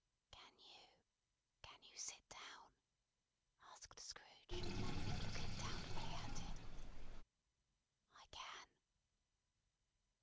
"Can you can you sit down?" asked Scrooge, looking doubtfully at him. "I can."